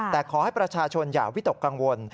แต่ขอให้ประชาชนอย่าวิตกกังวล